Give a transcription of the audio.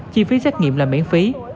chi phí xét nghiệm là miễn phí